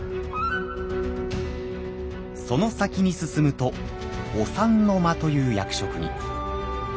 その先に進むと「御三之間」という役職に。